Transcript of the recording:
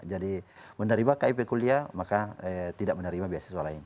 jadi menerima kip kuliah maka tidak menerima beasiswa lain